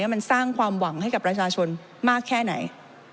มันสร้างความหวังให้กับประชาชนมากแค่ไหน